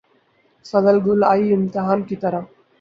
فصل گل آئی امتحاں کی طرح